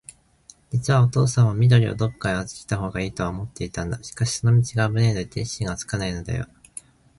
じつはおとうさんも、緑をどっかへあずけたほうがいいとは思っていたんだ。しかし、その道があぶないので、決心がつかないんだよ。